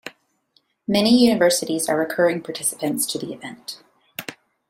Many universities are recurring participants to the event.